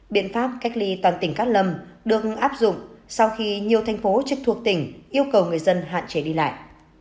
biện pháp cách ly toàn tỉnh cát lâm được áp dụng sau khi nhiều thành phố trực thuộc tỉnh yêu cầu người dân hạn chế đi lại